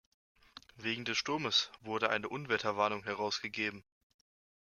Wegen des Sturmes wurde eine Unwetterwarnung herausgegeben.